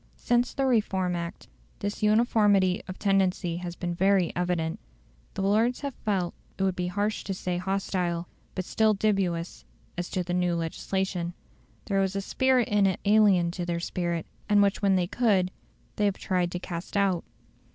Since the Reform Act, this uniformity of tendency has been very evident. The Lords have felt it would be harsh to say hostile, but still dubious, as to the new legislation. There was a spirit in it alien to their spirit, and which when they could they have tried to cast out.